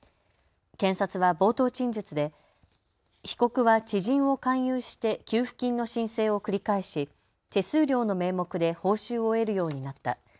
検察は冒頭陳述で被告は知人を勧誘して給付金の申請を繰り返し、手数料の名目で報酬を得るようになった。